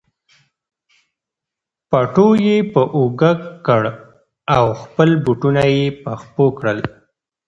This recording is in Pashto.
پټو یې په اوږه کړ او خپل بوټونه یې په پښو کړل.